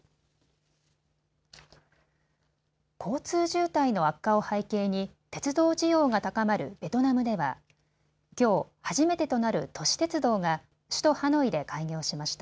交通渋滞の悪化を背景に鉄道需要が高まるベトナムではきょう初めてとなる都市鉄道が首都ハノイで開業しました。